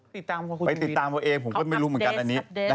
ติดตามเอาคุณไปติดตามเอาเองผมก็ไม่รู้เหมือนกันอันนี้